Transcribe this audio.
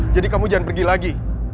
jadi kamu jangan pergi lagi